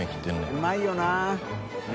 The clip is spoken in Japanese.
うまいよな。